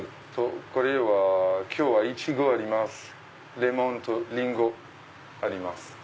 これは今日はいちごあります。